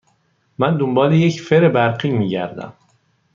من دنبال یک فر برقی می گردم.